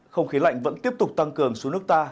không khí lạnh vẫn tiếp tục tăng cường xuống nước ta